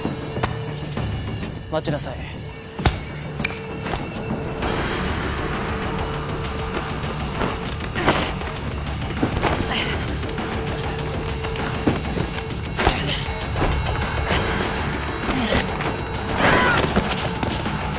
待ちなさいうわっ！